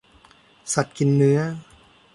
สัตว์กินเนื้อ